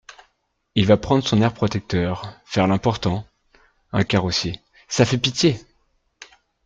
Il va prendre son air protecteur… faire l’important !… un carrossier ! ça fait pitié !